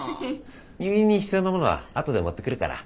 入院に必要なものは後で持ってくるから。